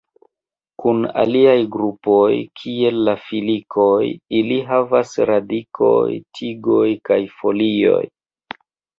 Kun aliaj grupoj, kiel la filikoj, ili havas radikoj, tigoj kaj folioj.